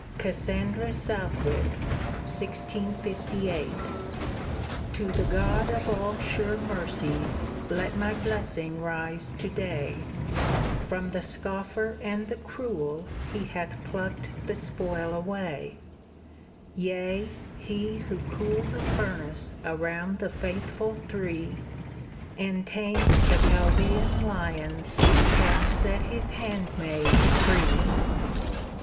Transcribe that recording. CASSANDRA SOUTHWICK To the God of all sure mercies let my blessing rise to day, From the scoffer and the cruel He hath plucked the spoil away; Yea, He who cooled the furnace around the faithful three, And tamed the Chaldean lions, hath set His handmaid free!